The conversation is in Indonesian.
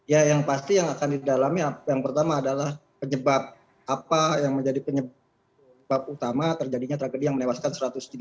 ya yang pasti yang akan didalami yang pertama adalah penyebab apa yang menjadi penyebab utama terjadinya tragedi yang menewaskan satu ratus tiga puluh